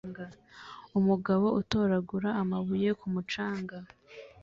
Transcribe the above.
Umugabo utoragura amabuye ku mucanga